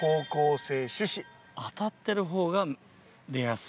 当たってる方が出やすい。